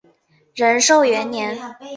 仁寿元年。